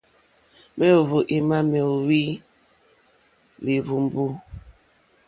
Méǒhwò émá méóhwí líhwùmbú.